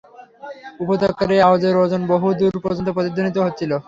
উপত্যকার এই আওয়াজের ওজন বহু দূর পর্যন্ত প্রতিধ্বনিত হচ্ছিল।